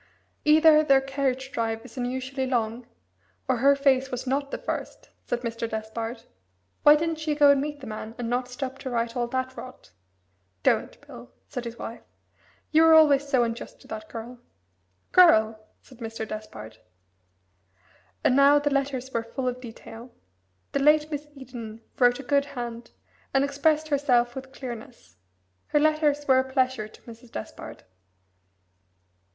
"Either their carriage drive is unusually long, or her face was not the first," said Mr. Despard. "Why didn't she go and meet the man, and not stop to write all that rot?" "Don't, Bill," said his wife. "You were always so unjust to that girl." "Girl!" said Mr. Despard. And now the letters were full of detail: the late Miss Eden wrote a good hand, and expressed herself with clearness. Her letters were a pleasure to Mrs. Despard.